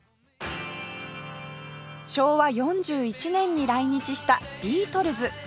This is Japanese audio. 昭和４１年に来日したビートルズ